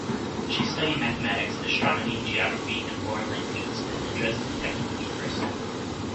She studied mathematics, astronomy, geography and foreign languages at the Dresden Technical University.